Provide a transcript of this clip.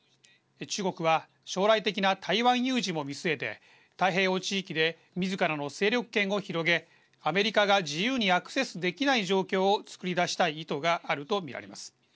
中国は将来的な台湾有事も見据えて太平洋地域でみずからの勢力圏を広げアメリカが自由にアクセスできない状況をつくり出したい意図があるとみられます。